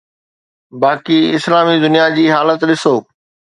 باقي اسلامي دنيا جي حالت ڏسو.